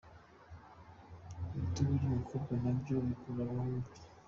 Ibitugu by’umukobwa nabyo bikurura abahungu cyane.